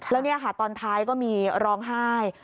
แล้วนี่ค่ะตอนท้ายก็มีร้องไห้